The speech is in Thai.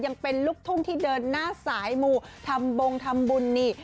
ยังเป็นลูกทุ่งที่เดินหน้าสายมูทำบงทำบุญนี่